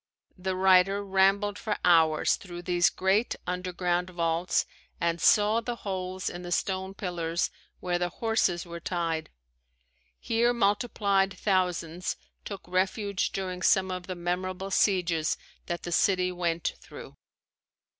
The writer rambled for hours through these great underground vaults and saw the holes in the stone pillars where the horses were tied. Here multiplied thousands took refuge during some of the memorable sieges that the city went through.